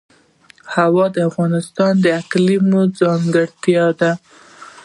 هوا د افغانستان د اقلیم ځانګړتیا ده.